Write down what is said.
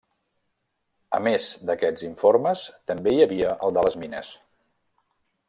A més d'aquests informes, també hi havia el de les mines.